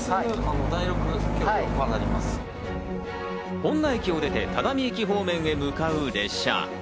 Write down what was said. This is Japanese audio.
本名駅を出て、只見駅方面へ向かう列車。